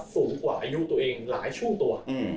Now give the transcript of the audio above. สูงกว่าอายุตัวเองหลายช่วงตัว